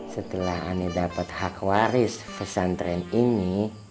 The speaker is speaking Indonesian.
setelah aneh dapet hak waris pesantren ini